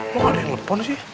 kok ada yang ngelepon sih